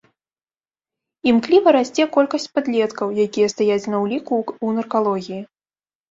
Імкліва расце колькасць падлеткаў, якія стаяць на ўліку ў наркалогіі.